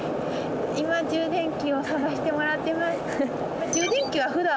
今充電器を探してもらってます。